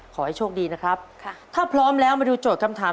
ขอให้โชคดีนะครับค่ะถ้าพร้อมแล้วมาดูโจทย์คำถาม